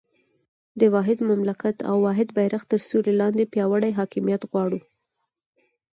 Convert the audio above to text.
د واحد مملکت او واحد بېرغ تر سیوري لاندې پیاوړی حاکمیت غواړو.